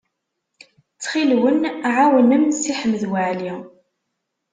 Ttxil-wen, ɛawnem Si Ḥmed Waɛli.